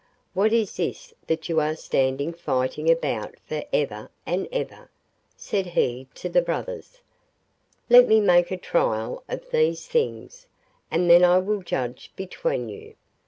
'What is this that you are standing fighting about for ever and ever?' said he to the brothers; 'let me make a trial of these things, and then I will judge between you.